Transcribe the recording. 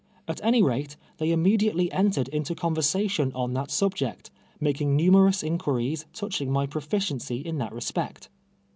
At any rate, they immediately entered into conver sation on that subject, making numerous incpiiries touching my proficiency in that respect.